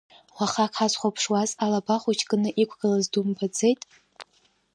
Уахак ҳазхәаԥшуаз, алаба хәыҷы кны иқәгылаз думбаӡеит?